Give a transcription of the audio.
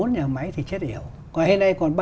bốn nhà máy thì chết hiểu còn hiện nay còn ba